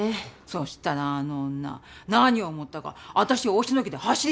そしたらあの女何を思ったか私を押しのけて走りだしたの。